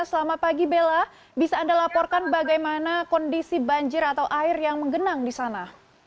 selamat pagi bella bisa anda laporkan bagaimana kondisi banjir atau air yang menggenang di sana